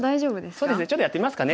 そうですねちょっとやってみますかね。